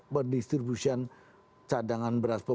redistribusi cadangan beras